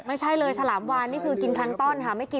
ไม่ใช่เลยฉลามวานนี่คือกินครั้งต้นค่ะ